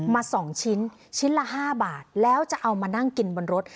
มา๒ชิ้นชิ้นละ๕บาทแล้วจะเอามานั่งกินบนรถ